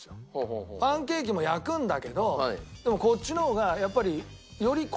パンケーキも焼くんだけどでもこっちの方がやっぱり。